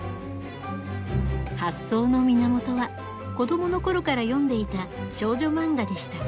発想の源は子供の頃から読んでいた少女漫画でした。